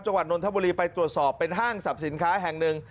นนทบุรีไปตรวจสอบเป็นห้างสรรพสินค้าแห่งหนึ่ง